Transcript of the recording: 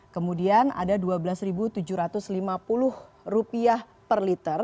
kemudian ada rp dua belas tujuh ratus lima puluh per liter